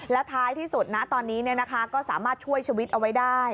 แล้วท้ายที่สุดนะตอนนี้ก็สามารถช่วยชีวิตเอาไว้ได้